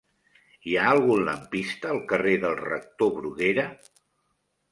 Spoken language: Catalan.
Hi ha algun lampista al carrer del Rector Bruguera?